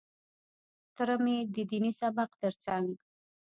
تره مې د ديني سبق تر څنګ.